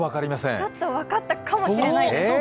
ちょっと分かったかもしれないです。